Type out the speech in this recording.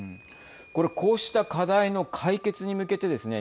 これ、こうした課題の解決に向けてですね